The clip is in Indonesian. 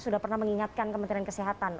sudah pernah mengingatkan kementerian kesehatan